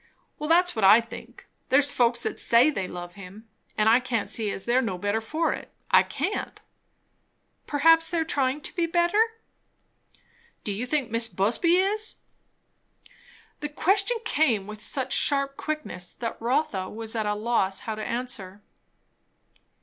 "Well, that's what I think. There's folks that say they love him, and I can't see as they're no better for it. I can't." "Perhaps they are trying to be better." "Do you think Mis' Busby is?" The question came with such sharp quickness that Rotha was at a loss how to answer.